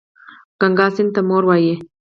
ګنګا سیند ته مور وايي.